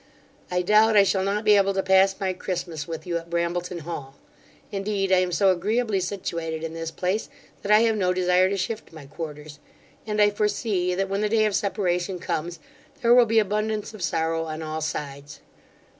I doubt I shall not be able to pass my Christmas with you at Brambleton hall. Indeed, I am so agreeably situated in this place, that I have no desire to shift my quarters; and I foresee, that when the day of separation comes, there will be abundance of sorrow on all sides.